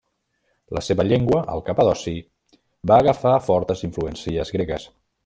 La seva llengua, el capadoci, va agafar fortes influències gregues.